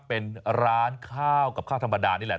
เป็นร้านข้าวกับข้าวธรรมดานี่แหละ